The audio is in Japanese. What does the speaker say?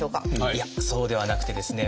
いやそうではなくてですね